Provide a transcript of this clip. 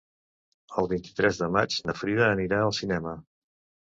El vint-i-tres de maig na Frida anirà al cinema.